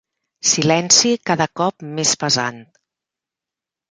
Silenci cada cop més pesant.